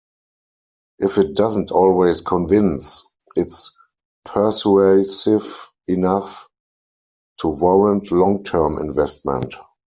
If it doesn't always convince, it's persuasive enough to warrant long-term investment.